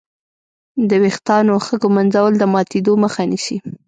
د وېښتانو ښه ږمنځول د ماتېدو مخه نیسي.